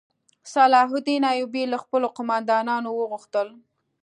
صلاح الدین ایوبي له خپلو قوماندانانو وغوښتل.